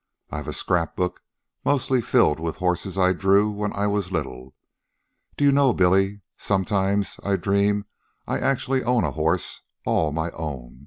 I've a scrapbook mostly filled with horses I drew when I was little. Do you know, Billy, sometimes I dream I actually own a horse, all my own.